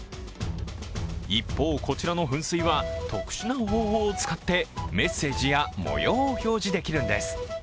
一方、こちらの噴水は特殊な方法を使ってメッセージや模様を表示できるんです。